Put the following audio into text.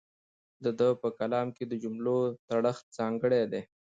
د ده په کلام کې د جملو تړښت ځانګړی دی.